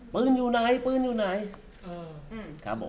อยู่ไหนปืนอยู่ไหนครับผม